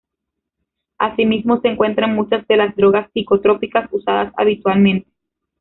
Asimismo se encuentra en muchas de las drogas psicotrópicas usadas habitualmente.